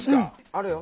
あれよ